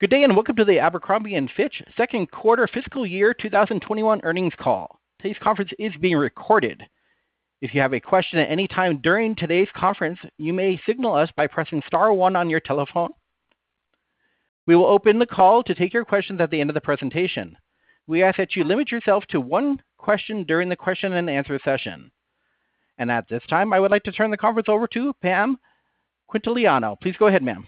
Good day, and welcome to the Abercrombie & Fitch second quarter fiscal year 2021 earnings call. Today's conference is being recorded. If you have a question at any time during today's conference, you may signal us by pressing star one on your telephone. We will open the call to take your questions at the end of the presentation. We ask that you limit yourself to one question during the question and answer session. At this time, I would like to turn the conference over to Pam Quintiliano. Please go ahead, ma'am.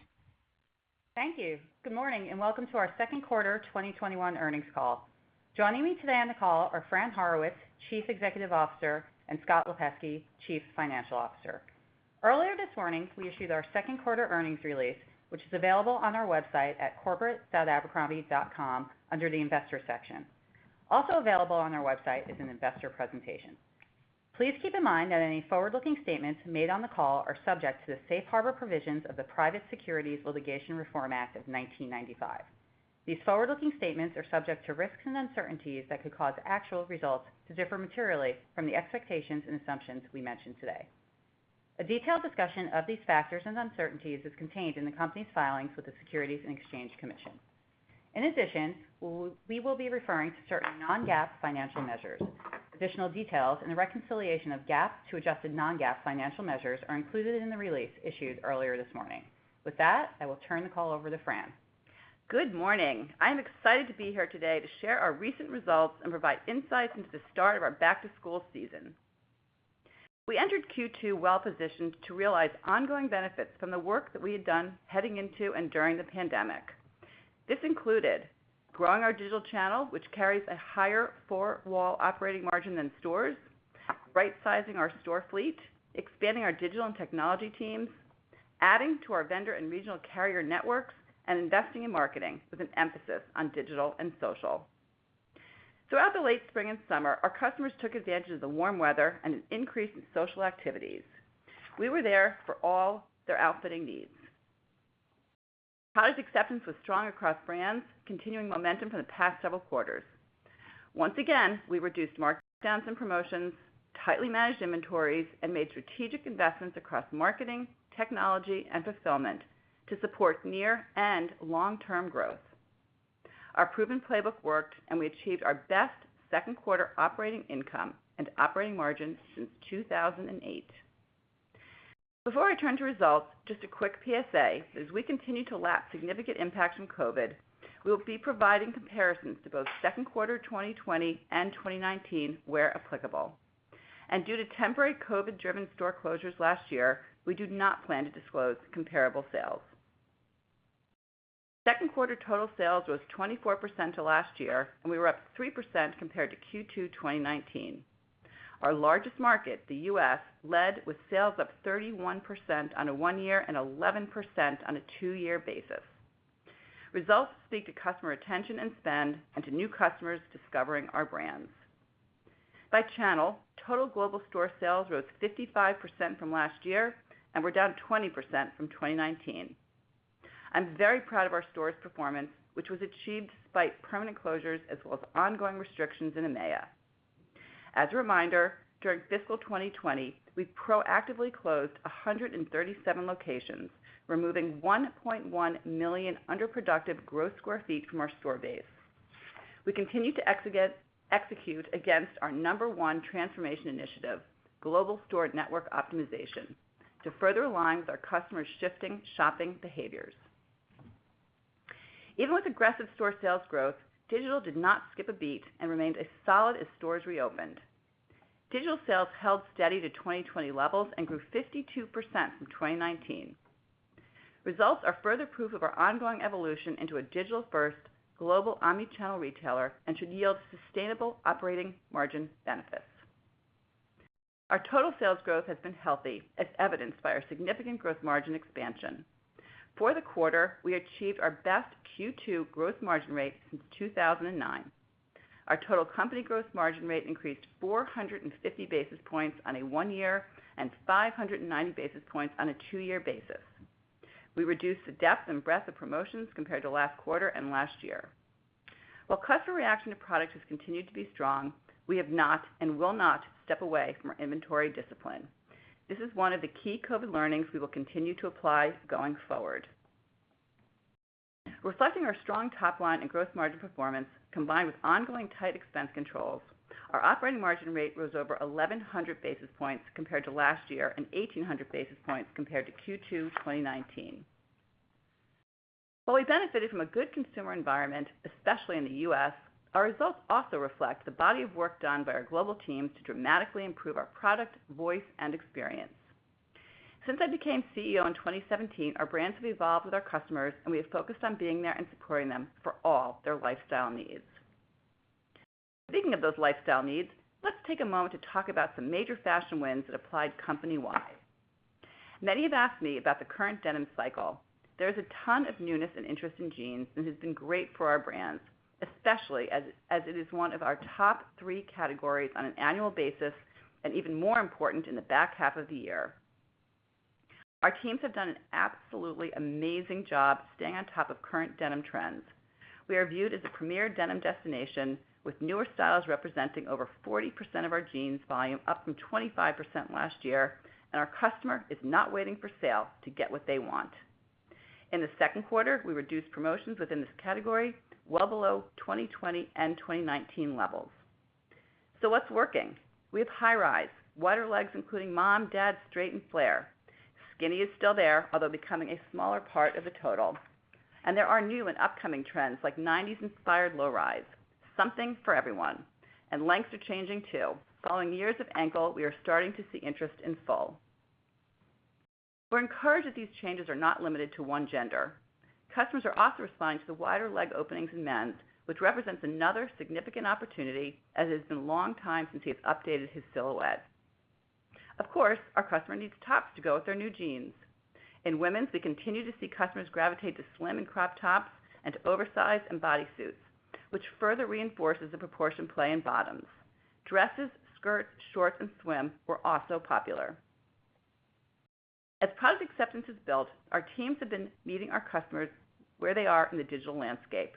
Thank you. Good morning, and welcome to our second quarter 2021 earnings call. Joining me today on the call are Fran Horowitz, Chief Executive Officer, and Scott Lipesky, Chief Financial Officer. Earlier this morning, we issued our second quarter earnings release, which is available on our website at corporate.abercrombie.com under the investor section. Also available on our website is an investor presentation. Please keep in mind that any forward-looking statements made on the call are subject to the safe harbor provisions of the Private Securities Litigation Reform Act of 1995. These forward-looking statements are subject to risks and uncertainties that could cause actual results to differ materially from the expectations and assumptions we mention today. A detailed discussion of these factors and uncertainties is contained in the company's filings with the Securities and Exchange Commission. In addition, we will be referring to certain non-GAAP financial measures. Additional details and the reconciliation of GAAP to adjusted non-GAAP financial measures are included in the release issued earlier this morning. With that, I will turn the call over to Fran. Good morning. I am excited to be here today to share our recent results and provide insights into the start of our back-to-school season. We entered Q2 well-positioned to realize ongoing benefits from the work that we had done heading into and during the pandemic. This included growing our digital channel, which carries a higher four-wall operating margin than stores, rightsizing our store fleet, expanding our digital and technology teams, adding to our vendor and regional carrier networks, and investing in marketing with an emphasis on digital and social. Throughout the late spring and summer, our customers took advantage of the warm weather and an increase in social activities. We were there for all their outfitting needs. Product acceptance was strong across brands, continuing momentum from the past several quarters. Once again, we reduced markdowns and promotions, tightly managed inventories, and made strategic investments across marketing, technology, and fulfillment to support near and long-term growth. Our proven playbook worked, and we achieved our best second quarter operating income and operating margin since 2008. Before I turn to results, just a quick PSA. As we continue to lap significant impacts from COVID, we will be providing comparisons to both second quarter 2020 and 2019 where applicable. Due to temporary COVID-driven store closures last year, we do not plan to disclose comparable sales. Second quarter total sales was 24% to last year, and we were up 3% compared to Q2 2019. Our largest market, the U.S., led with sales up 31% on a one-year and 11% on a two-year basis. Results speak to customer retention and spend and to new customers discovering our brands. By channel, total global store sales rose 55% from last year and were down 20% from 2019. I'm very proud of our stores' performance, which was achieved despite permanent closures as well as ongoing restrictions in EMEA. As a reminder, during fiscal 2020, we proactively closed 137 locations, removing 1.1 million underproductive gross square feet from our store base. We continue to execute against our number one transformation initiative, Global Store Network Optimization, to further align with our customers' shifting shopping behaviors. Even with aggressive store sales growth, digital did not skip a beat and remained as solid as stores reopened. Digital sales held steady to 2020 levels and grew 52% from 2019. Results are further proof of our ongoing evolution into a digital-first global omni-channel retailer and should yield sustainable operating margin benefits. Our total sales growth has been healthy as evidenced by our significant gross margin expansion. For the quarter, we achieved our best Q2 gross margin rate since 2009. Our total company gross margin rate increased 450 basis points on a one-year and 590 basis points on a two-year basis. We reduced the depth and breadth of promotions compared to last quarter and last year. While customer reaction to products has continued to be strong, we have not and will not step away from our inventory discipline. This is one of the key COVID learnings we will continue to apply going forward. Reflecting our strong top line and gross margin performance, combined with ongoing tight expense controls, our operating margin rate rose over 1,100 basis points compared to last year and 1,800 basis points compared to Q2 2019. While we benefited from a good consumer environment, especially in the U.S., our results also reflect the body of work done by our global teams to dramatically improve our product, voice, and experience. Since I became CEO in 2017, our brands have evolved with our customers, and we have focused on being there and supporting them for all their lifestyle needs. Speaking of those lifestyle needs, let's take a moment to talk about some major fashion wins that applied company-wide. Many have asked me about the current denim cycle. There is a ton of newness and interest in jeans, and it has been great for our brands, especially as it is one of our top three categories on an annual basis, and even more important in the back half of the year. Our teams have done an absolutely amazing job staying on top of current denim trends. We are viewed as a premier denim destination with newer styles representing over 40% of our jeans volume, up from 25% last year, and our customer is not waiting for sale to get what they want. In the second quarter, we reduced promotions within this category well below 2020 and 2019 levels. What's working? We have high rise, wider legs, including mom, dad, straight, and flare. Skinny is still there, although becoming a smaller part of the total. There are new and upcoming trends like 1990s-inspired low rise, something for everyone. Lengths are changing, too. Following years of ankle, we are starting to see interest in full. We're encouraged that these changes are not limited to one gender. Customers are also responding to the wider leg openings in men's, which represents another significant opportunity, as it has been a long time since he has updated his silhouette. Our customer needs tops to go with their new jeans. In women's, we continue to see customers gravitate to slim and crop tops, and to oversize and bodysuits, which further reinforces the proportion play in bottoms. Dresses, skirts, shorts, and swim were also popular. As product acceptance has built, our teams have been meeting our customers where they are in the digital landscape.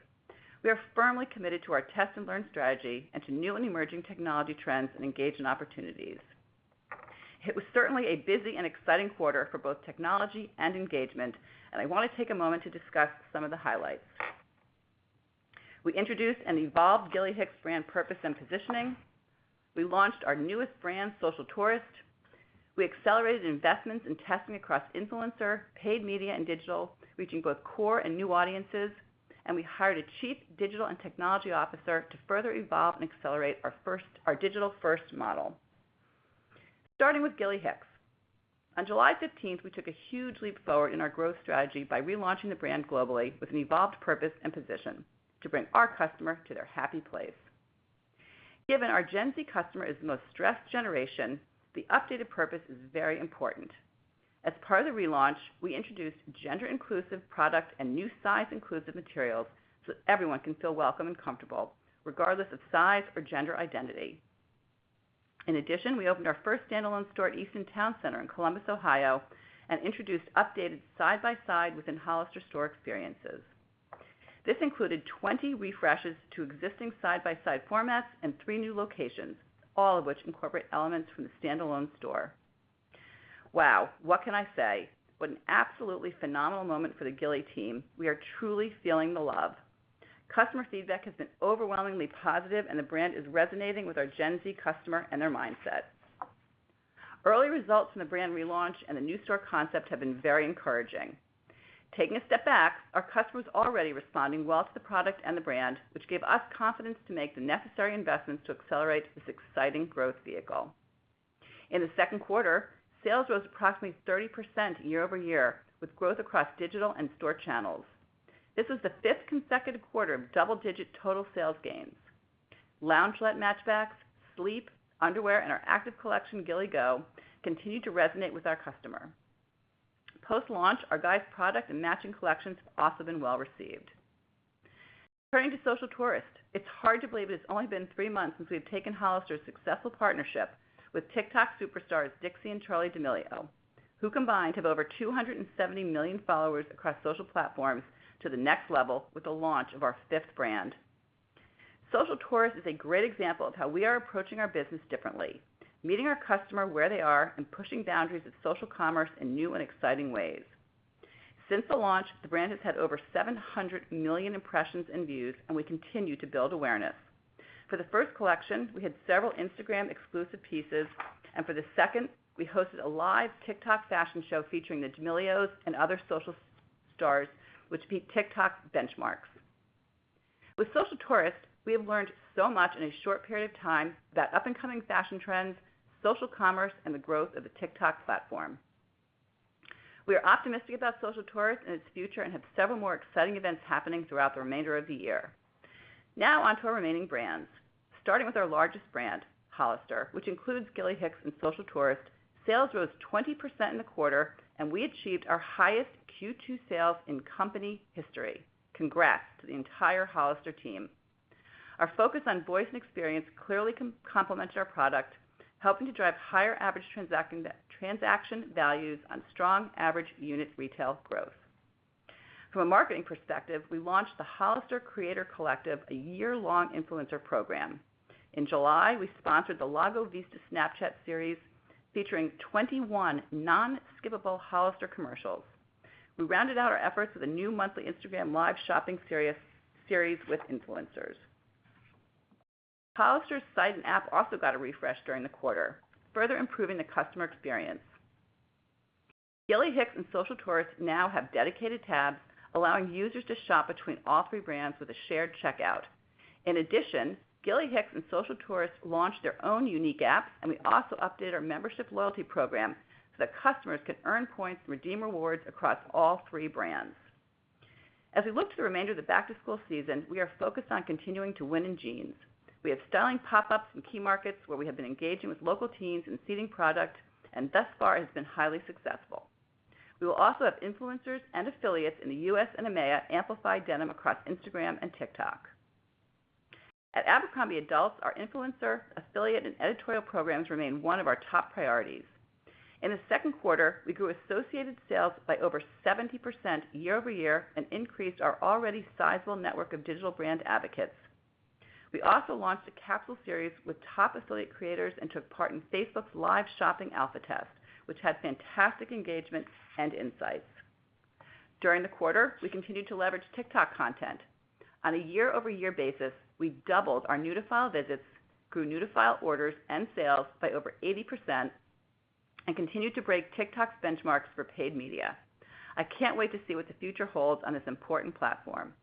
We are firmly committed to our test-and-learn strategy and to new and emerging technology trends, and engage in opportunities. It was certainly a busy and exciting quarter for both technology and engagement. I want to take a moment to discuss some of the highlights. We introduced an evolved Gilly Hicks brand purpose and positioning. We launched our newest brand, Social Tourist. We accelerated investments in testing across influencer, paid media, and digital, reaching both core and new audiences. We hired a Chief Digital and Technology Officer to further evolve and accelerate our digital-first model. Starting with Gilly Hicks. On July 15th, we took a huge leap forward in our growth strategy by relaunching the brand globally with an evolved purpose and position: to bring our customer to their happy place. Given our Gen Z customer is the most stressed generation, the updated purpose is very important. As part of the relaunch, we introduced gender-inclusive product and new size-inclusive materials so everyone can feel welcome and comfortable, regardless of size or gender identity. In addition, we opened our first standalone store at Easton Town Center in Columbus, Ohio, and introduced updated side by side within Hollister store experiences. This included 20 refreshes to existing side-by-side formats and three new locations, all of which incorporate elements from the standalone store. Wow, what can I say? What an absolutely phenomenal moment for the Gilly team. We are truly feeling the love. Customer feedback has been overwhelmingly positive, and the brand is resonating with our Gen Z customer and their mindset. Early results from the brand relaunch and the new store concept have been very encouraging. Taking a step back, our customers are already responding well to the product and the brand, which gave us confidence to make the necessary investments to accelerate this exciting growth vehicle. In the second quarter, sales rose approximately 30% year-over-year, with growth across digital and store channels. This is the fifth consecutive quarter of double-digit total sales gains. Loungewear matchbacks, sleep, underwear, and our active collection, Gilly Go, continue to resonate with our customer. Post-launch, our guys product and matching collections have also been well-received. Turning to Social Tourist. It's hard to believe it has only been three months since we've taken Hollister's successful partnership with TikTok superstars Dixie and Charli D'Amelio, who combined have over 270 million followers across social platforms, to the next level with the launch of our fifth brand. Social Tourist is a great example of how we are approaching our business differently, meeting our customer where they are, and pushing boundaries of social commerce in new and exciting ways. Since the launch, the brand has had over 700 million impressions and views, and we continue to build awareness. For the first collection, we had several Instagram-exclusive pieces, and for the second, we hosted a live TikTok fashion show featuring the D'Amelios and other social stars, which beat TikTok benchmarks. With Social Tourist, we have learned so much in a short period of time about up-and-coming fashion trends, social commerce, and the growth of the TikTok platform. We are optimistic about Social Tourist and its future and have several more exciting events happening throughout the remainder of the year. On to our remaining brands. Starting with our largest brand, Hollister, which includes Gilly Hicks and Social Tourist. Sales rose 20% in the quarter, and we achieved our highest Q2 sales in company history. Congrats to the entire Hollister team. Our focus on voice and experience clearly complements our product, helping to drive higher average transaction values on strong average unit retail growth. From a marketing perspective, we launched the Hollister Creator Collective, a year-long influencer program. In July, we sponsored the Lago Vista Snapchat series, featuring 21 non-skippable Hollister commercials. We rounded out our efforts with a new monthly Instagram Live shopping series with influencers. Hollister's site and app also got a refresh during the quarter, further improving the customer experience. Gilly Hicks and Social Tourist now have dedicated tabs, allowing users to shop between all three brands with a shared checkout. In addition, Gilly Hicks and Social Tourist launched their own unique apps, and we also updated our membership loyalty program so that customers could earn points and redeem rewards across all three brands. As we look to the remainder of the back-to-school season, we are focused on continuing to win in jeans. We have styling pop-ups in key markets where we have been engaging with local teens and seeding product, and thus far, it has been highly successful. We will also have influencers and affiliates in the U.S. and EMEA amplify denim across Instagram and TikTok. At Abercrombie & Fitch, our influencer, affiliate, and editorial programs remain one of our top priorities. In the second quarter, we grew associated sales by over 70% year-over-year and increased our already sizable network of digital brand advocates. We also launched a capsule series with top affiliate creators and took part in Facebook's Live Shopping alpha test, which had fantastic engagement and insights. During the quarter, we continued to leverage TikTok content. On a year-over-year basis, we doubled our new-to-file visits, grew new-to-file orders and sales by over 80%, and continued to break TikTok's benchmarks for paid media. I can't wait to see what the future holds on this important platform.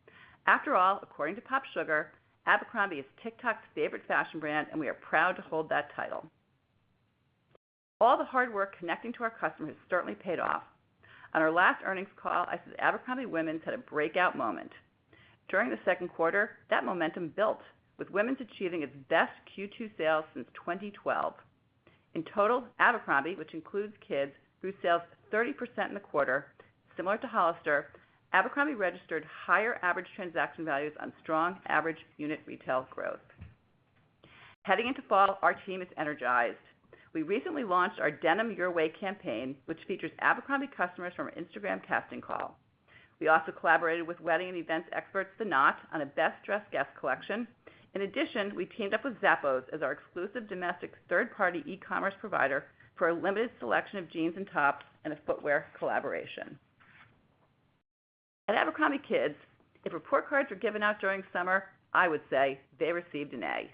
After all, according to POPSUGAR, Abercrombie is TikTok's favorite fashion brand, and we are proud to hold that title. All the hard work connecting to our customers certainly paid off. On our last earnings call, I said Abercrombie Women's had a breakout moment. During the second quarter, that momentum built, with Women's achieving its best Q2 sales since 2012. In total, Abercrombie, which includes Kids, grew sales 30% in the quarter. Similar to Hollister, Abercrombie registered higher average transaction values on strong average unit retail growth. Heading into fall, our team is energized. We recently launched our Denim Your Way campaign, which features Abercrombie customers from our Instagram casting call. We also collaborated with wedding and events experts The Knot on a Best Dressed Guest collection. In addition, we teamed up with Zappos as our exclusive domestic third-party e-commerce provider for a limited selection of jeans and tops, and a footwear collaboration. At abercrombie kids, if report cards were given out during summer, I would say they received an A.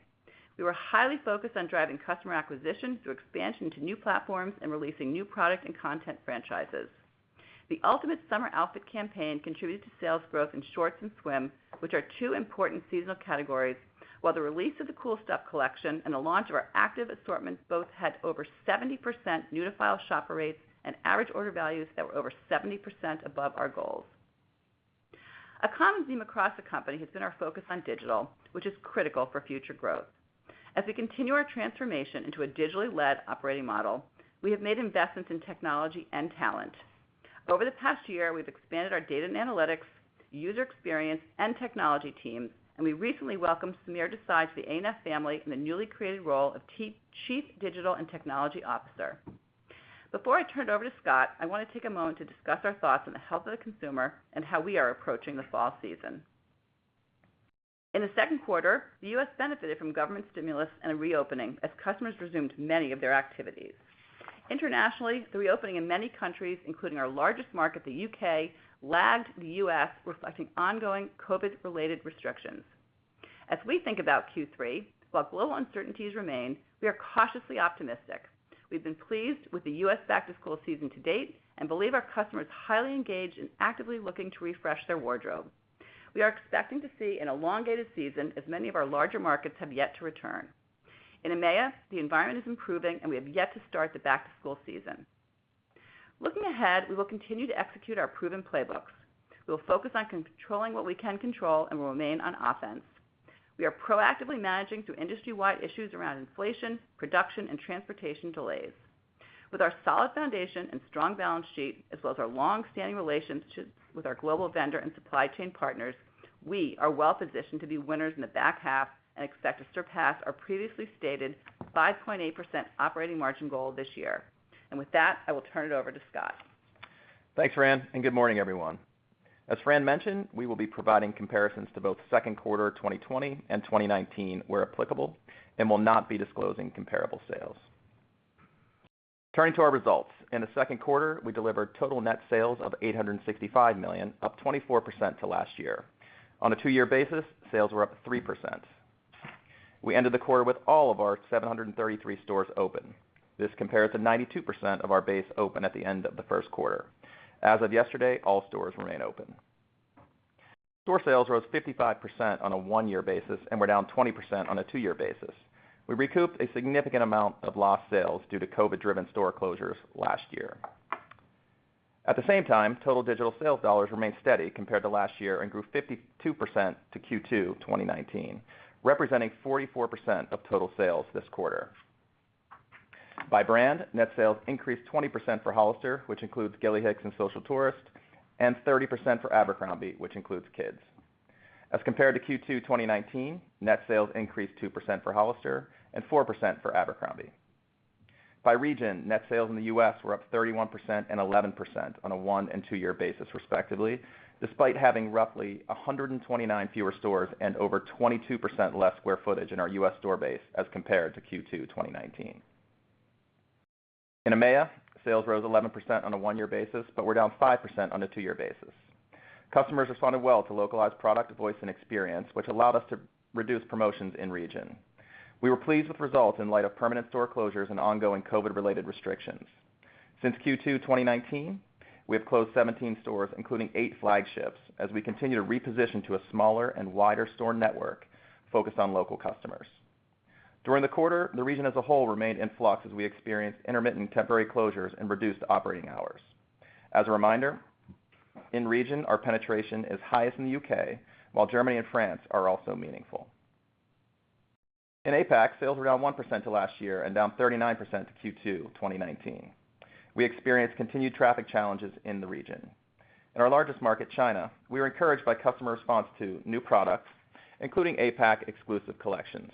We were highly focused on driving customer acquisition through expansion to new platforms and releasing new product and content franchises. The Ultimate Summer Outfit campaign contributed to sales growth in shorts and swim, which are two important seasonal categories, while the release of The Cool Stuff collection and the launch of our active assortment both had over 70% new-to-file shopper rates and average order values that were over 70% above our goals. A common theme across the company has been our focus on digital, which is critical for future growth. As we continue our transformation into a digitally led operating model, we have made investments in technology and talent. Over the past year, we've expanded our data and analytics, user experience, and technology teams, and we recently welcomed Samir Desai to the A&F family in the newly created role of Chief Digital and Technology Officer. Before I turn it over to Scott, I want to take a moment to discuss our thoughts on the health of the consumer and how we are approaching the fall season. In the second quarter, the U.S. benefited from government stimulus and a reopening as customers resumed many of their activities. Internationally, the reopening in many countries, including our largest market, the U.K., lagged the U.S., reflecting ongoing COVID-related restrictions. As we think about Q3, while global uncertainties remain, we are cautiously optimistic. We've been pleased with the U.S. back-to-school season to date and believe our customers are highly engaged and actively looking to refresh their wardrobe. We are expecting to see an elongated season as many of our larger markets have yet to return. In EMEA, the environment is improving, and we have yet to start the back-to-school season. Looking ahead, we will continue to execute our proven playbooks. We will focus on controlling what we can control and will remain on offense. We are proactively managing through industry-wide issues around inflation, production, and transportation delays. With our solid foundation and strong balance sheet, as well as our long-standing relationships with our global vendor and supply chain partners, we are well positioned to be winners in the back half and expect to surpass our previously stated 5.8% operating margin goal this year. With that, I will turn it over to Scott. Thanks, Fran, and good morning, everyone. As Fran mentioned, we will be providing comparisons to both second quarter 2020 and 2019 where applicable and will not be disclosing comparable sales. Turning to our results, in the second quarter, we delivered total net sales of $865 million, up 24% to last year. On a two-year basis, sales were up 3%. We ended the quarter with all of our 733 stores open. This compares to 92% of our base open at the end of the first quarter. As of yesterday, all stores remain open. Store sales rose 55% on a one-year basis and were down 20% on a two-year basis. We recouped a significant amount of lost sales due to COVID-driven store closures last year. At the same time, total digital sales dollars remained steady compared to last year and grew 52% to Q2 2019, representing 44% of total sales this quarter. By brand, net sales increased 20% for Hollister, which includes Gilly Hicks and Social Tourist, and 30% for Abercrombie, which includes kids. As compared to Q2 2019, net sales increased 2% for Hollister and 4% for Abercrombie. By region, net sales in the U.S. were up 31% and 11% on a one- and two-year basis, respectively, despite having roughly 129 fewer stores and over 22% less square footage in our U.S. store base as compared to Q2 2019. In EMEA, sales rose 11% on a one-year basis, were down 5% on a two-year basis. Customers responded well to localized product voice and experience, which allowed us to reduce promotions in-region. We were pleased with results in light of permanent store closures and ongoing COVID-related restrictions. Since Q2 2019, we have closed 17 stores, including eight flagships, as we continue to reposition to a smaller and wider store network focused on local customers. During the quarter, the region as a whole remained in flux as we experienced intermittent temporary closures and reduced operating hours. As a reminder, in-region, our penetration is highest in the U.K., while Germany and France are also meaningful. In APAC, sales were down 1% to last year and down 39% to Q2 2019. We experienced continued traffic challenges in the region. In our largest market, China, we are encouraged by customer response to new products, including APAC exclusive collections.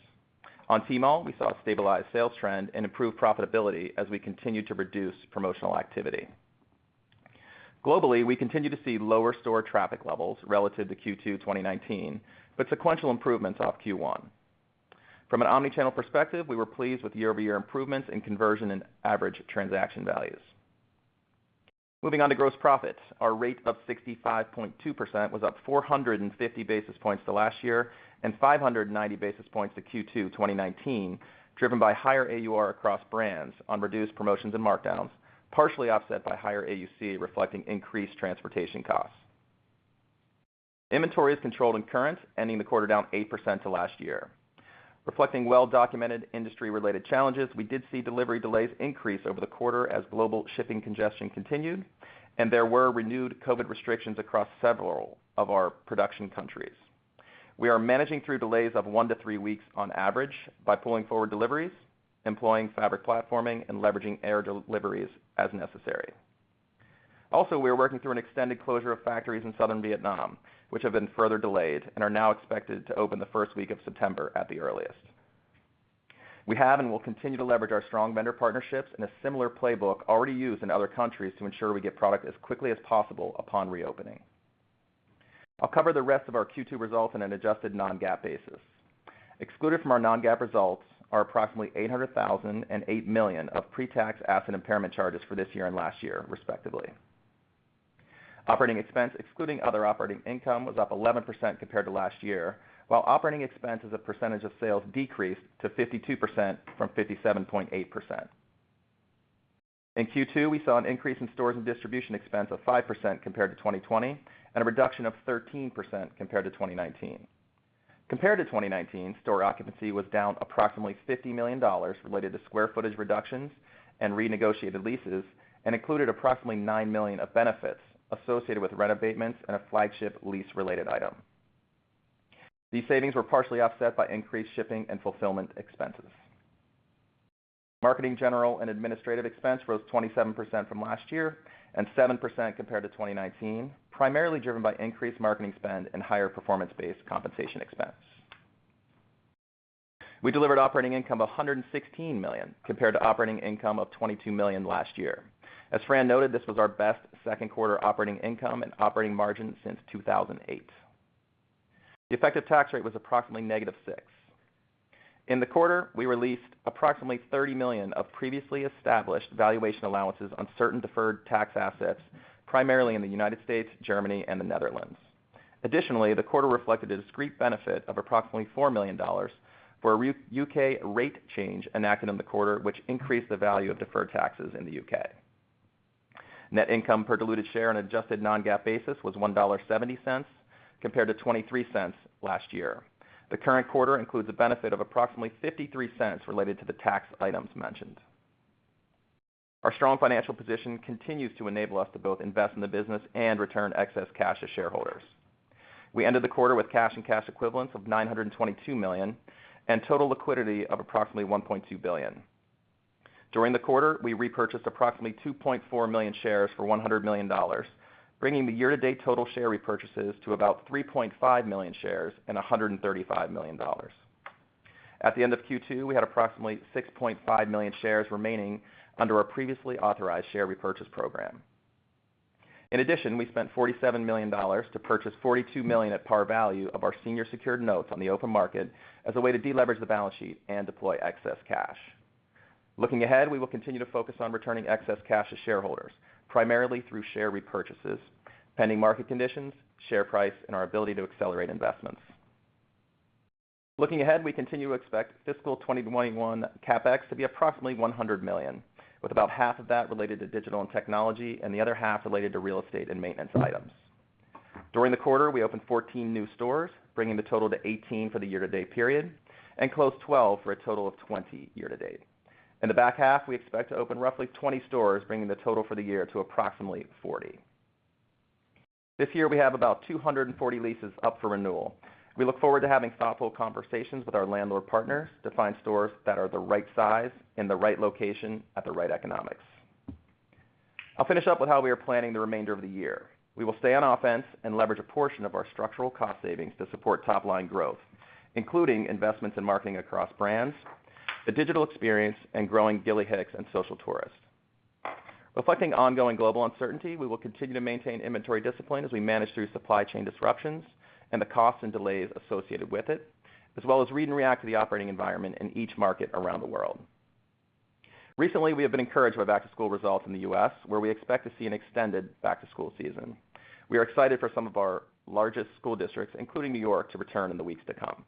On Tmall, we saw a stabilized sales trend and improved profitability as we continue to reduce promotional activity. Globally, we continue to see lower store traffic levels relative to Q2 2019, but sequential improvements off Q1. From an omni-channel perspective, we were pleased with year-over-year improvements in conversion and average transaction values. Moving on to gross profits. Our rate of 65.2% was up 450 basis points to last year and 590 basis points to Q2 2019, driven by higher AUR across brands on reduced promotions and markdowns, partially offset by higher AUC reflecting increased transportation costs. Inventory is controlled and current, ending the quarter down 8% to last year. Reflecting well-documented industry-related challenges, we did see delivery delays increase over the quarter as global shipping congestion continued, and there were renewed COVID restrictions across several of our production countries. We are managing through delays of one to three weeks on average by pulling forward deliveries, employing fabric platforming, and leveraging air deliveries as necessary. We are working through an extended closure of factories in southern Vietnam, which have been further delayed and are now expected to open the first week of September at the earliest. We have and will continue to leverage our strong vendor partnerships and a similar playbook already used in other countries to ensure we get product as quickly as possible upon reopening. I'll cover the rest of our Q2 results in an adjusted non-GAAP basis. Excluded from our non-GAAP results are approximately $800,000 and $8 million of pre-tax asset impairment charges for this year and last year, respectively. Operating expense excluding other operating income was up 11% compared to last year, while operating expense as a percentage of sales decreased to 52% from 57.8%. In Q2, we saw an increase in stores and distribution expense of 5% compared to 2020 and a reduction of 13% compared to 2019. Compared to 2019, store occupancy was down approximately $50 million related to square footage reductions and renegotiated leases and included approximately $9 million of benefits associated with rent abatements and a flagship lease-related item. These savings were partially offset by increased shipping and fulfillment expenses. Marketing, general, and administrative expense rose 27% from last year and 7% compared to 2019, primarily driven by increased marketing spend and higher performance-based compensation expense. We delivered operating income of $116 million compared to operating income of $22 million last year. As Fran noted, this was our best second quarter operating income and operating margin since 2008. The effective tax rate was approximately -6%. In the quarter, we released approximately $30 million of previously established valuation allowances on certain deferred tax assets, primarily in the United States, Germany, and the Netherlands. Additionally, the quarter reflected a discrete benefit of approximately $4 million for a U.K. rate change enacted in the quarter, which increased the value of deferred taxes in the U.K. Net income per diluted share on an adjusted non-GAAP basis was $1.70 compared to $0.23 last year. The current quarter includes a benefit of approximately $0.53 related to the tax items mentioned. Our strong financial position continues to enable us to both invest in the business and return excess cash to shareholders. We ended the quarter with cash and cash equivalents of $922 million and total liquidity of approximately $1.2 billion. During the quarter, we repurchased approximately 2.4 million shares for $100 million, bringing the year-to-date total share repurchases to about 3.5 million shares and $135 million. At the end of Q2, we had approximately 6.5 million shares remaining under our previously authorized share repurchase program. In addition, we spent $47 million to purchase $42 million at par value of our senior secured notes on the open market as a way to deleverage the balance sheet and deploy excess cash. Looking ahead, we will continue to focus on returning excess cash to shareholders, primarily through share repurchases, pending market conditions, share price, and our ability to accelerate investments. Looking ahead, we continue to expect fiscal 2021 CapEx to be approximately $100 million, with about half of that related to digital and technology and the other half related to real estate and maintenance items. During the quarter, we opened 14 new stores, bringing the total to 18 for the year-to-date period, and closed 12 for a total of 20 year-to-date. In the back half, we expect to open roughly 20 stores, bringing the total for the year to approximately 40. This year, we have about 240 leases up for renewal. We look forward to having thoughtful conversations with our landlord partners to find stores that are the right size in the right location at the right economics. I'll finish up with how we are planning the remainder of the year. We will stay on offense and leverage a portion of our structural cost savings to support top-line growth, including investments in marketing across brands, the digital experience, and growing Gilly Hicks and Social Tourist. Reflecting ongoing global uncertainty, we will continue to maintain inventory discipline as we manage through supply chain disruptions and the costs and delays associated with it, as well as read and react to the operating environment in each market around the world. Recently, we have been encouraged by back-to-school results in the U.S., where we expect to see an extended back-to-school season. We are excited for some of our largest school districts, including New York, to return in the weeks to come.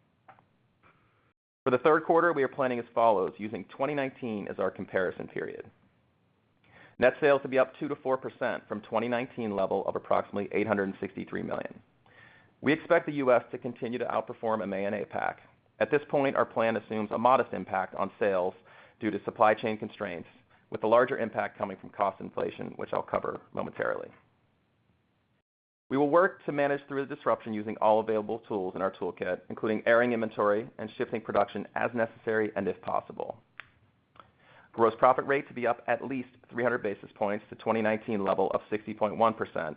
For the third quarter, we are planning as follows, using 2019 as our comparison period. Net sales to be up 2%-4% from 2019 level of approximately $863 million. We expect the U.S. to continue to outperform EMEA and APAC. At this point, our plan assumes a modest impact on sales due to supply chain constraints, with the larger impact coming from cost inflation, which I'll cover momentarily. We will work to manage through the disruption using all available tools in our toolkit, including airing inventory and shifting production as necessary and if possible. Gross profit rate to be up at least 300 basis points to 2019 level of 60.1%,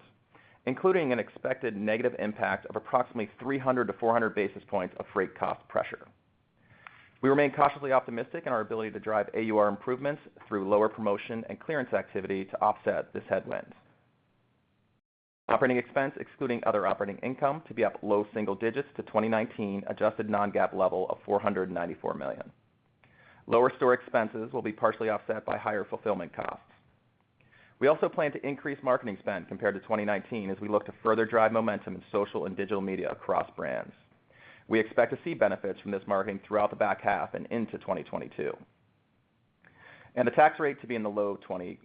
including an expected negative impact of approximately 300 to 400 basis points of freight cost pressure. We remain cautiously optimistic in our ability to drive AUR improvements through lower promotion and clearance activity to offset this headwind. Operating expense, excluding other operating income, to be up low single digits to 2019 adjusted non-GAAP level of $494 million. Lower store expenses will be partially offset by higher fulfillment costs. We also plan to increase marketing spend compared to 2019 as we look to further drive momentum in social and digital media across brands. We expect to see benefits from this marketing throughout the back half and into 2022. The tax rate to be in the low 20%.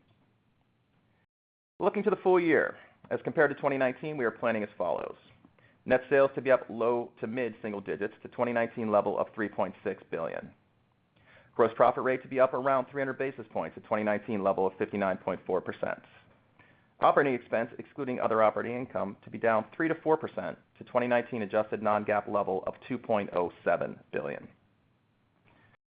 Looking to the full year, as compared to 2019, we are planning as follows: net sales to be up low to mid-single digits to 2019 level of $3.6 billion. Gross profit rate to be up around 300 basis points to 2019 level of 59.4%. Operating expense, excluding other operating income, to be down 3%-4% to 2019 adjusted non-GAAP level of $2.07 billion.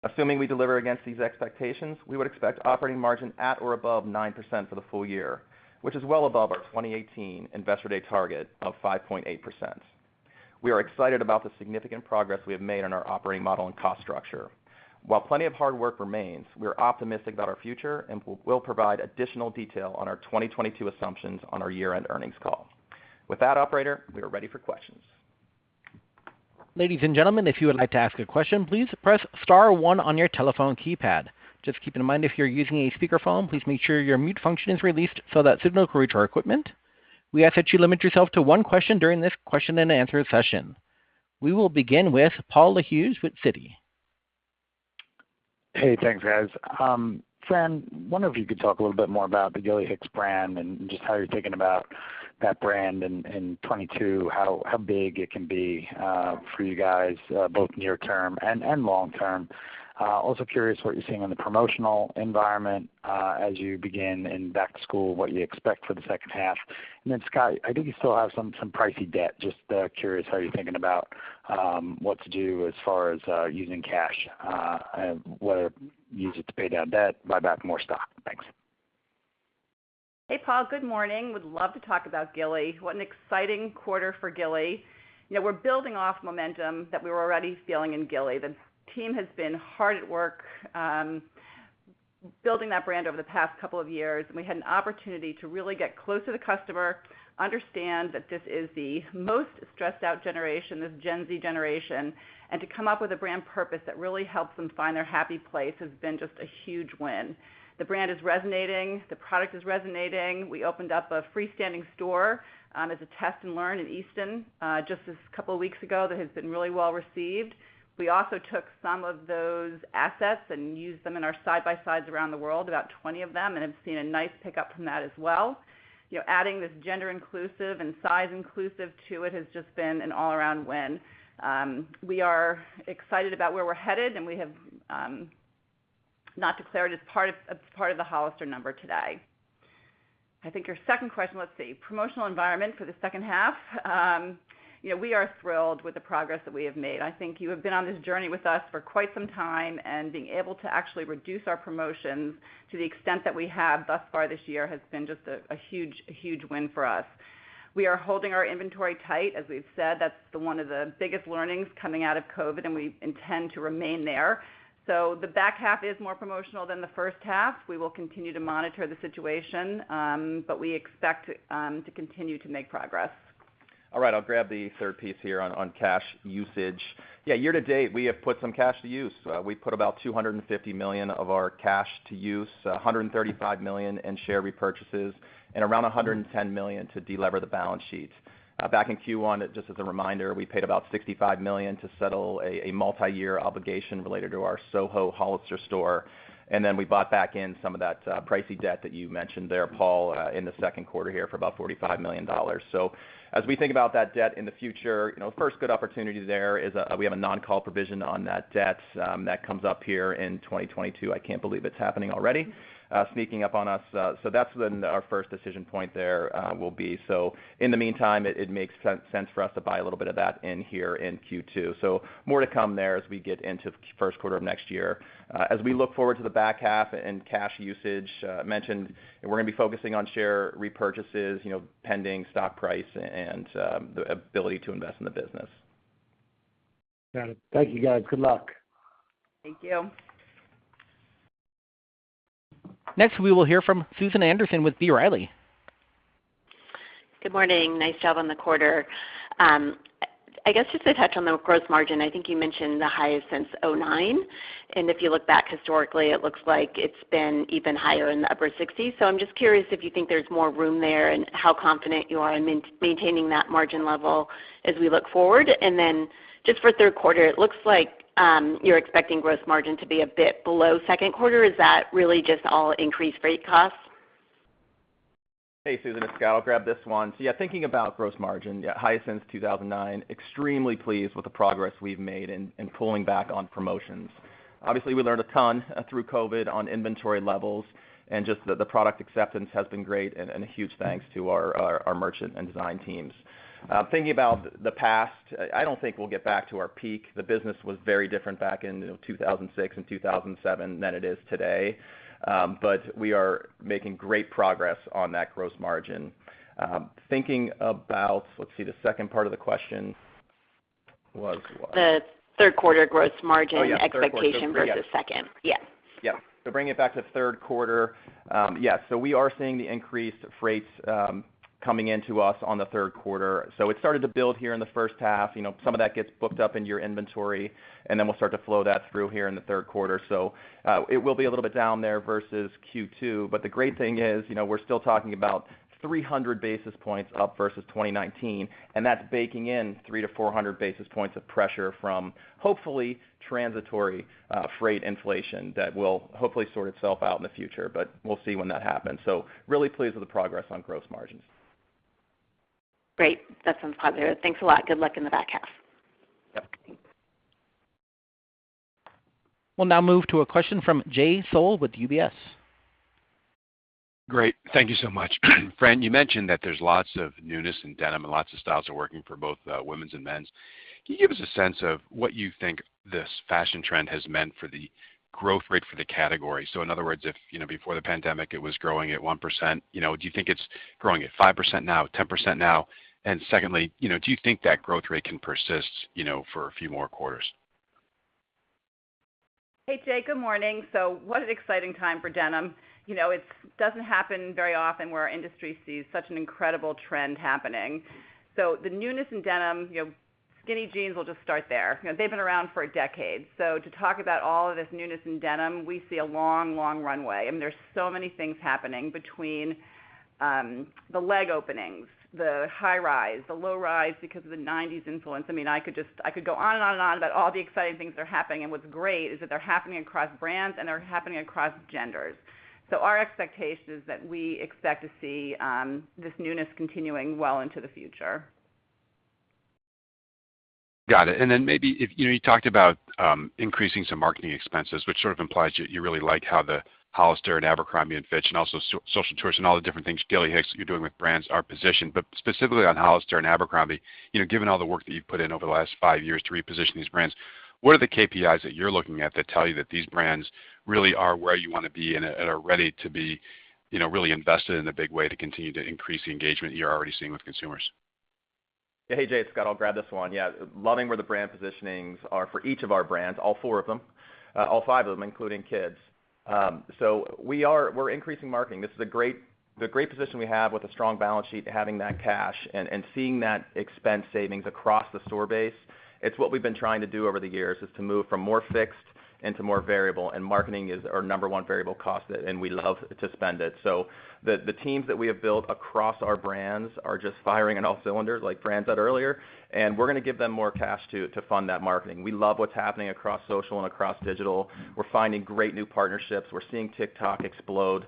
Assuming we deliver against these expectations, we would expect operating margin at or above 9% for the full year, which is well above our 2018 investor day target of 5.8%. We are excited about the significant progress we have made on our operating model and cost structure. While plenty of hard work remains, we are optimistic about our future and we'll provide additional detail on our 2022 assumptions on our year-end earnings call. With that, operator, we are ready for questions. Ladies and gentlemen, if you would like to ask a question, please press star one on your telephone keypad. Just keep in mind, if you're using a speakerphone, please make sure your mute function is released so that signal can reach our equipment. We ask that you limit yourself to one question during this question-and-answer session. We will begin with Paul Lejuez with Citi. Hey, thanks, guys. Fran, wonder if you could talk a little bit more about the Gilly Hicks brand and just how you're thinking about that brand in 2022, how big it can be for you guys, both near term and long term. Curious what you're seeing on the promotional environment as you begin in back to school, what you expect for the second half. Scott, I think you still have some pricey debt. Just curious how you're thinking about what to do as far as using cash whether use it to pay down debt, buy back more stock. Thanks. Hey, Paul. Good morning. Would love to talk about Gilly. What an exciting quarter for Gilly. We're building off momentum that we were already feeling in Gilly. The team has been hard at work building that brand over the past couple of years, and we had an opportunity to really get close to the customer, understand that this is the most stressed out generation, this Gen Z generation, and to come up with a brand purpose that really helps them find their happy place has been just a huge win. The brand is resonating. The product is resonating. We opened up a freestanding store as a test and learn in Easton just this couple of weeks ago that has been really well received. We also took some of those assets and used them in our side-by-sides around the world, about 20 of them, and have seen a nice pickup from that as well. Adding this gender inclusive and size inclusive to it has just been an all around win. We are excited about where we're headed, and we have not declared as part of the Hollister number today. I think your second question, let's see. Promotional environment for the second half. We are thrilled with the progress that we have made. I think you have been on this journey with us for quite some time, and being able to actually reduce our promotions to the extent that we have thus far this year has been just a huge win for us. We are holding our inventory tight. As we've said, that's one of the biggest learnings coming out of COVID, and we intend to remain there. The back half is more promotional than the first half. We will continue to monitor the situation, but we expect to continue to make progress. All right. I'll grab the third piece here on cash usage. Year to date, we have put some cash to use. We put about $250 million of our cash to use, $135 million in share repurchases, and around $110 million to delever the balance sheet. Back in Q1, just as a reminder, we paid about $65 million to settle a multi-year obligation related to our Soho Hollister store, and then we bought back in some of that pricey debt that you mentioned there, Paul, in the second quarter here for about $45 million. As we think about that debt in the future, first good opportunity there is we have a non-call provision on that debt that comes up here in 2022. I can't believe it's happening already, sneaking up on us. That's when our first decision point there will be. In the meantime, it makes sense for us to buy a little bit of that in here in Q2. More to come there as we get into the first quarter of next year. We look forward to the back half and cash usage mentioned, and we're going to be focusing on share repurchases pending stock price and the ability to invest in the business. Got it. Thank you, guys. Good luck. Thank you. Next, we will hear from Susan Anderson with B. Riley. Good morning. Nice job on the quarter. I guess just to touch on the gross margin, I think you mentioned the highest since 2009, and if you look back historically, it looks like it's been even higher in the upper 60s. I'm just curious if you think there's more room there and how confident you are in maintaining that margin level as we look forward. Then just for third quarter, it looks like you're expecting gross margin to be a bit below second quarter. Is that really just all increased freight costs? Hey, Susan, it's Scott. I'll grab this one. Yeah, thinking about gross margin, highest since 2009. Extremely pleased with the progress we've made in pulling back on promotions. Obviously, we learned a ton through COVID on inventory levels, and just the product acceptance has been great, and a huge thanks to our merchant and design teams. Thinking about the past, I don't think we'll get back to our peak. The business was very different back in 2006 and 2007 than it is today. We are making great progress on that gross margin. Thinking about, let's see, the second part of the question was what? The third quarter gross margin- Oh, yeah. Third quarter. -expectation versus second. Yes. Bring it back to third quarter. Yeah. We are seeing the increased rates coming into us on the third quarter. It started to build here in the first half. Some of that gets booked up into your inventory, we'll start to flow that through here in the third quarter. It will be a little bit down there versus Q2. The great thing is, we're still talking about 300 basis points up versus 2019, and that's baking in 300-400 basis points of pressure from hopefully transitory freight inflation that will hopefully sort itself out in the future, but we'll see when that happens. Really pleased with the progress on gross margins. Great. That sounds positive. Thanks a lot. Good luck in the back half. Yeah. We'll now move to a question from Jay Sole with UBS. Great, thank you so much. Fran, you mentioned that there's lots of newness in denim and lots of styles are working for both women's and men's. Can you give us a sense of what you think this fashion trend has meant for the growth rate for the category? In other words, if before the pandemic it was growing at 1%, do you think it's growing at 5% now, 10% now? Secondly, do you think that growth rate can persist for a few more quarters? Hey, Jay. Good morning. What an exciting time for denim. It doesn't happen very often where our industry sees such an incredible trend happening. The newness in denim, skinny jeans, we'll just start there. They've been around for a decade. To talk about all of this newness in denim, we see a long runway, and there's so many things happening between the leg openings, the high rise, the low rise because of the 1990s influence. I could go on and on about all the exciting things that are happening, and what's great is that they're happening across brands, and they're happening across genders. Our expectation is that we expect to see this newness continuing well into the future. Got it. Maybe if, you talked about increasing some marketing expenses, which sort of implies that you really like how the Hollister and Abercrombie & Fitch and also Social Tourist and all the different things, Gilly Hicks, that you're doing with brands are positioned, but specifically on Hollister and Abercrombie, given all the work that you've put in over the last five years to reposition these brands, what are the KPIs that you're looking at that tell you that these brands really are where you want to be and are ready to be really invested in a big way to continue to increase the engagement you're already seeing with consumers? Hey, Jay, it's Scott. I'll grab this one. Yeah. Loving where the brand positionings are for each of our brands, all four of them, all five of them, including kids. We're increasing marketing. This is a great position we have with a strong balance sheet, having that cash and seeing that expense savings across the store base. It's what we've been trying to do over the years, is to move from more fixed into more variable, and marketing is our number one variable cost, and we love to spend it. The teams that we have built across our brands are just firing on all cylinders, like Fran said earlier, and we're going to give them more cash to fund that marketing. We love what's happening across social and across digital. We're finding great new partnerships. We're seeing TikTok explode.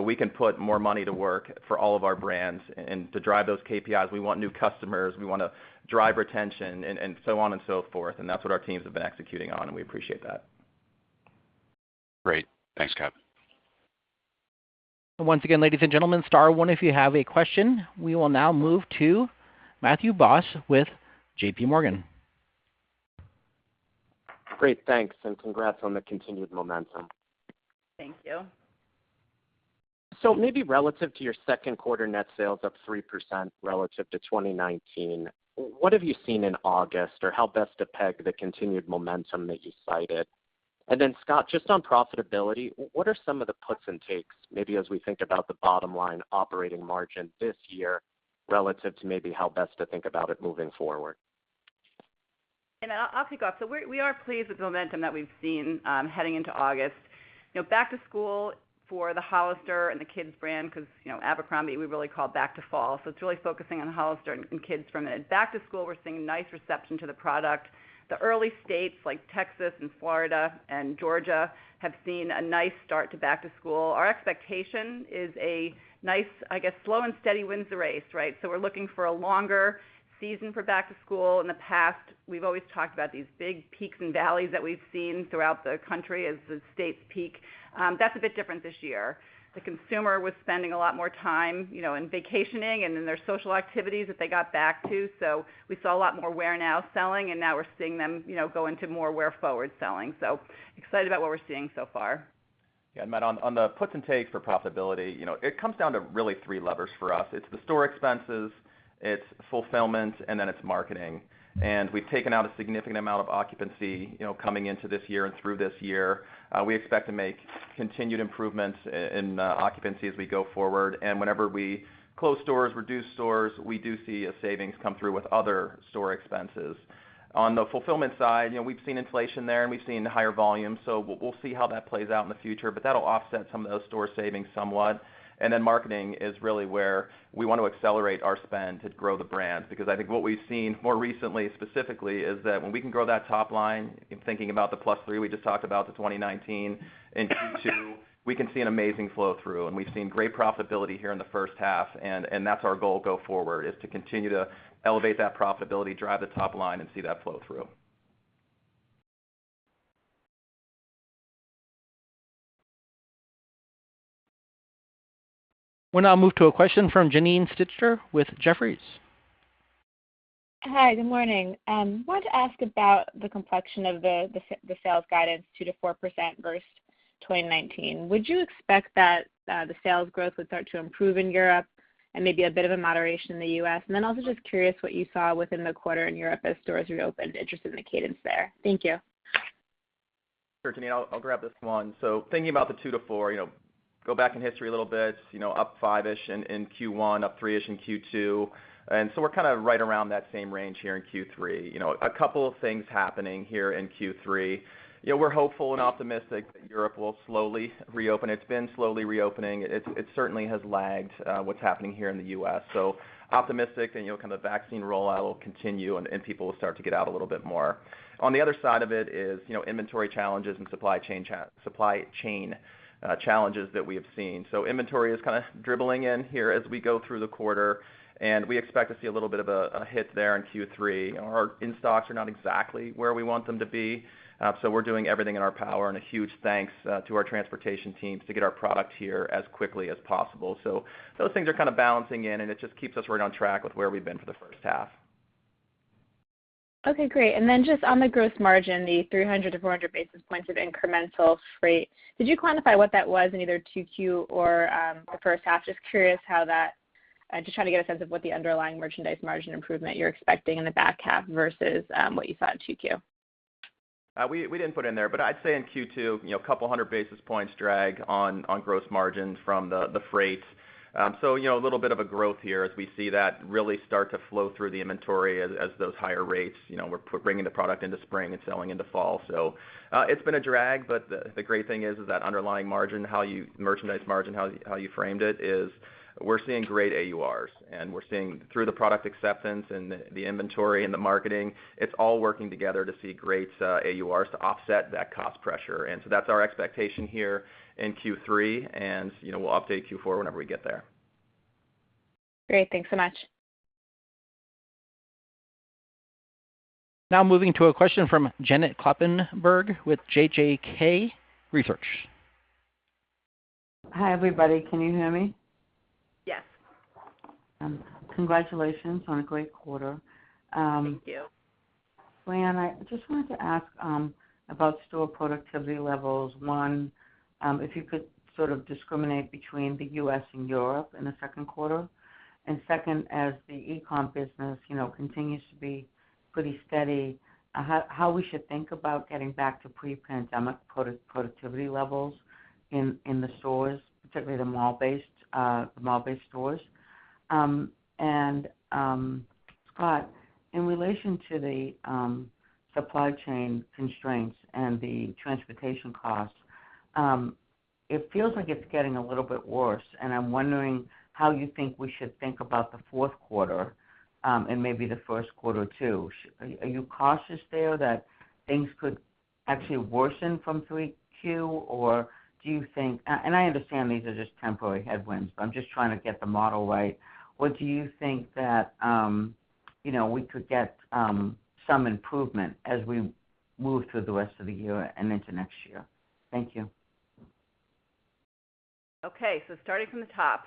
We can put more money to work for all of our brands and to drive those KPIs. We want new customers. We want to drive retention and so on and so forth, and that's what our teams have been executing on, and we appreciate that. Great. Thanks, Scott. Once again, ladies and gentlemen, star one if you have a question. We will now move to Matthew Boss with JPMorgan. Great, thanks, and congrats on the continued momentum. Thank you. Maybe relative to your second quarter net sales up 3% relative to 2019, what have you seen in August or how best to peg the continued momentum that you cited? Scott, just on profitability, what are some of the puts and takes, maybe as we think about the bottom-line operating margin this year relative to maybe how best to think about it moving forward? I'll kick off. We are pleased with the momentum that we've seen heading into August. Back to school for the Hollister and the kids brand, because Abercrombie, we really call back to fall. It's really focusing on Hollister and kids from it. Back to school, we're seeing nice reception to the product. The early states like Texas and Florida and Georgia have seen a nice start to back to school. Our expectation is a nice, slow and steady wins the race, right? We're looking for a longer season for back to school. In the past, we've always talked about these big peaks and valleys that we've seen throughout the country as the states peak. That's a bit different this year. The consumer was spending a lot more time in vacationing and in their social activities that they got back to. We saw a lot more wear-now selling, and now we're seeing them go into more wear-forward selling. Excited about what we're seeing so far. Yeah, Matt, on the puts and takes for profitability, it comes down to really three levers for us. It's the store expenses, it's fulfillment, and then it's marketing. We've taken out a significant amount of occupancy coming into this year and through this year. We expect to make continued improvements in occupancy as we go forward. Whenever we close stores, reduce stores, we do see a savings come through with other store expenses. On the fulfillment side, we've seen inflation there, and we've seen higher volume. We'll see how that plays out in the future, but that'll offset some of those store savings somewhat. Marketing is really where we want to accelerate our spend to grow the brand because I think what we've seen more recently specifically is that when we can grow that top line, thinking about the +3 we just talked about, the 2019 in Q2, we can see an amazing flow through, and we've seen great profitability here in the first half, and that's our goal go forward, is to continue to elevate that profitability, drive the top line, and see that flow through. We'll now move to a question from Janine Stichter with Jefferies. Hi, good morning. I wanted to ask about the complexion of the sales guidance 2%-4% versus 2019. Would you expect that the sales growth would start to improve in Europe and maybe a bit of a moderation in the U.S.? Just curious what you saw within the quarter in Europe as stores reopened. Interested in the cadence there. Thank you. Sure, Janine. I'll grab this one. Thinking about the 2%-4%, go back in history a little bit, up 5-ish in Q1, up 3-ish in Q2. We're right around that same range here in Q3. A couple of things happening here in Q3. We're hopeful and optimistic that Europe will slowly reopen. It's been slowly reopening. It certainly has lagged what's happening here in the U.S. Optimistic, and the vaccine rollout will continue, and people will start to get out a little bit more. On the other side of it is inventory challenges and supply chain challenges that we have seen. Inventory is dribbling in here as we go through the quarter, and we expect to see a little bit of a hit there in Q3. Our in-stocks are not exactly where we want them to be. We're doing everything in our power, and a huge thanks to our transportation teams to get our product here as quickly as possible. Those things are balancing in, and it just keeps us right on track with where we've been for the first half. Okay, great. Just on the gross margin, the 300 to 400 basis points of incremental freight, could you quantify what that was in either 2Q or the first half? Just trying to get a sense of what the underlying merchandise margin improvement you're expecting in the back half versus what you saw in 2Q. We didn't put in there, but I'd say in Q2, 200 basis points drag on gross margins from the freight. A little bit of a growth here as we see that really start to flow through the inventory as those higher rates. We're bringing the product into spring and selling into fall. It's been a drag, but the great thing is that underlying margin, merchandise margin, how you framed it is we're seeing great AURs and we're seeing through the product acceptance and the inventory and the marketing, it's all working together to see great AURs to offset that cost pressure. That's our expectation here in Q3, and we'll update Q4 whenever we get there. Great. Thanks so much. Now moving to a question from Janet Kloppenburg with JJK Research. Hi, everybody. Can you hear me? Yes. Congratulations on a great quarter. Thank you. Fran, I just wanted to ask about store productivity levels. One, if you could sort of discriminate between the U.S. and Europe in the second quarter. Second, as the e-com business continues to be pretty steady, how we should think about getting back to pre-pandemic productivity levels in the stores, particularly the mall-based stores. In relation to the supply chain constraints and the transportation costs, it feels like it's getting a little bit worse, and I'm wondering how you think we should think about the fourth quarter, and maybe the first quarter too. Are you cautious there that things could actually worsen from 3Q? I understand these are just temporary headwinds, but I'm just trying to get the model right. Do you think that we could get some improvement as we move through the rest of the year and into next year? Thank you. Okay, starting from the top.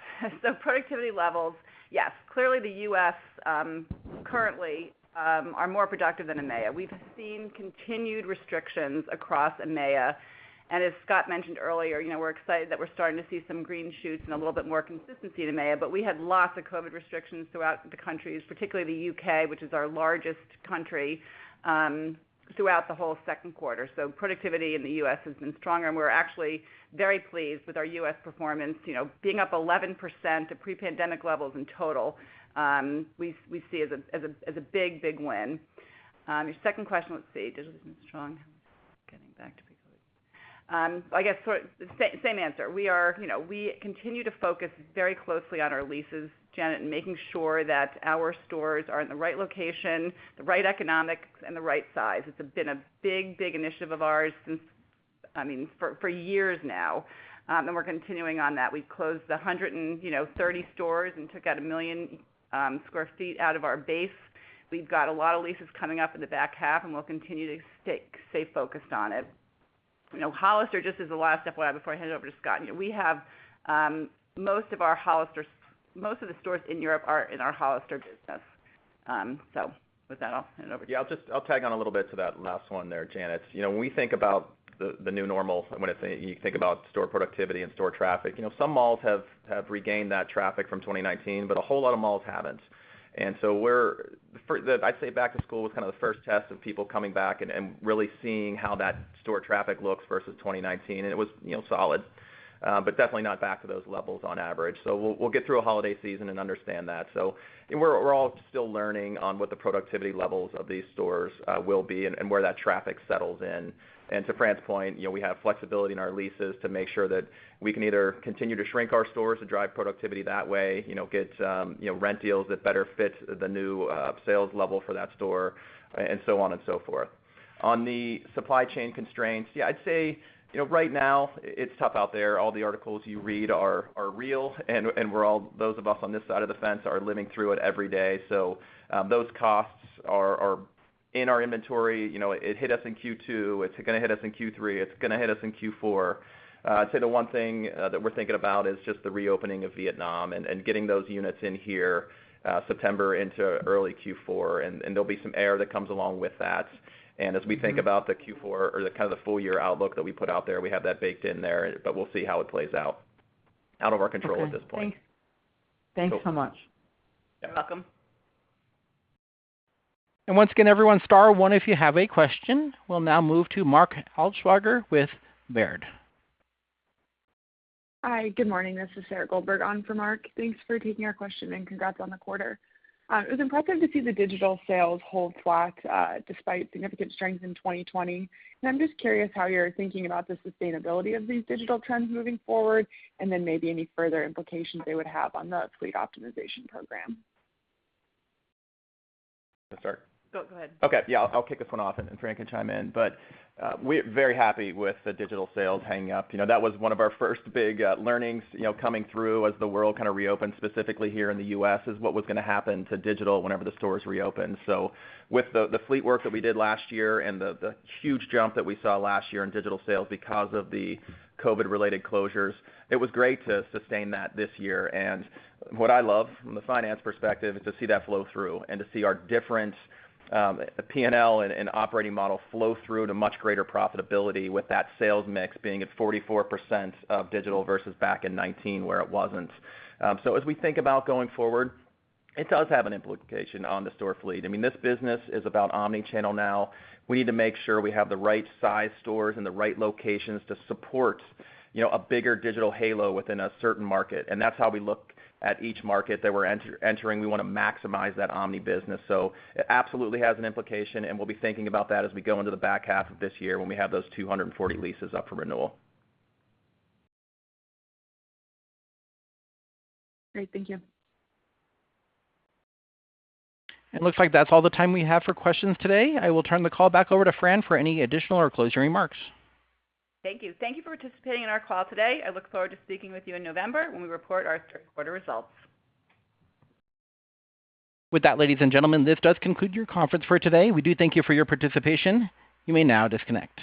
Productivity levels, yes, clearly the U.S. currently are more productive than EMEA. We've seen continued restrictions across EMEA. As Scott mentioned earlier, we're excited that we're starting to see some green shoots and a little bit more consistency in EMEA, but we had lots of COVID restrictions throughout the countries, particularly the U.K., which is our largest country, throughout the whole second quarter. Productivity in the U.S. has been stronger, and we're actually very pleased with our U.S. performance. Being up 11% to pre-pandemic levels in total, we see as a big win. Your second question let's see. Digital is doing strong. Getting back to people. I guess same answer. We continue to focus very closely on our leases, Janet, and making sure that our stores are in the right location, the right economics, and the right size. It's been a big initiative of ours since, for years now, and we're continuing on that. We closed 130 stores and took out 1 million sq ft out of our base. We've got a lot of leases coming up in the back half, and we'll continue to stay focused on it. Hollister just as the last step before I hand it over to Scott Lipesky. Most of the stores in Europe are in our Hollister business. With that, I'll hand it over to you. Yeah, I'll tag on a little bit to that last one there, Janet. When we think about the new normal, when you think about store productivity and store traffic, some malls have regained that traffic from 2019, but a whole lot of malls haven't. I'd say back to school was the first test of people coming back and really seeing how that store traffic looks versus 2019, and it was solid. Definitely not back to those levels on average. We'll get through a holiday season and understand that. We're all still learning on what the productivity levels of these stores will be and where that traffic settles in. To Fran's point, we have flexibility in our leases to make sure that we can either continue to shrink our stores to drive productivity that way, get rent deals that better fit the new sales level for that store and so on and so forth. On the supply chain constraints, yeah, I'd say, right now it's tough out there. All the articles you read are real, and those of us on this side of the fence are living through it every day. Those costs are in our inventory, it hit us in Q2, it's going to hit us in Q3, it's going to hit us in Q4. I'd say the one thing that we're thinking about is just the reopening of Vietnam and getting those units in here September into early Q4, and there'll be some air that comes along with that. As we think about the Q4 or the full year outlook that we put out there, we have that baked in there. We'll see how it plays out of our control at this point. Okay, thanks. Thanks so much. You're welcome. Once again, everyone, star one if you have a question. We'll now move to Mark Altschwager with Baird Hi. Good morning. This is Sarah Goldberg on for Mark. Thanks for taking our question, and congrats on the quarter. It was impressive to see the digital sales hold flat despite significant strength in 2020. I'm just curious how you're thinking about the sustainability of these digital trends moving forward, then maybe any further implications they would have on the fleet optimization program. Want me to start? Go ahead. Okay. Yeah. I'll kick this one off, and Fran can chime in. We're very happy with the digital sales holding up. That was one of our first big learnings coming through as the world kind of reopened, specifically here in the U.S., is what was going to happen to digital whenever the stores reopened. With the fleet work that we did last year and the huge jump that we saw last year in digital sales because of the COVID-related closures, it was great to sustain that this year. What I love from the finance perspective is to see that flow through, and to see our different P&L and operating model flow through to much greater profitability with that sales mix being at 44% of digital versus back in 2019 where it wasn't. As we think about going forward, it does have an implication on the store fleet. This business is about omni-channel now. We need to make sure we have the right size stores in the right locations to support a bigger digital halo within a certain market, and that's how we look at each market that we're entering. We want to maximize that omni business. It absolutely has an implication, and we'll be thinking about that as we go into the back half of this year when we have those 240 leases up for renewal. Great. Thank you. It looks like that's all the time we have for questions today. I will turn the call back over to Fran for any additional or closing remarks. Thank you. Thank you for participating in our call today. I look forward to speaking with you in November when we report our third quarter results. With that, ladies and gentlemen, this does conclude your conference for today. We do thank you for your participation. You may now disconnect.